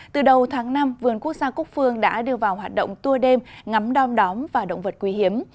từ đầu tháng năm vườn quốc gia cúc phương đã đưa vào hoạt động tua đêm ngắm đom đóm và động vật quý hiếm